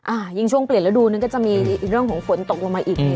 อ้าวยังช่วงเปลี่ยนระดูนนั่นก็จะมีเรื่องของฝนตกลงมาอีก